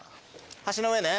橋の上ね。